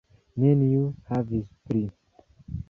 Neniu havis pli.